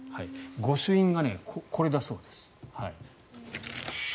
御朱印がこれだそうです。